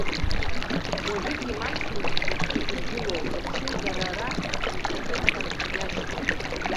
Уажәыгьы имаҷҩым иаҳҿадыргыло, зыхшыҩ дара рахь еиҭадырԥарц иашьҭоу.